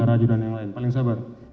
antara aju dan yang lain paling sabar